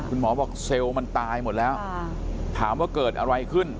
คุณหมอบอกเซลล์มันตายหมดแล้วถามว่าเกิดอะไรขึ้น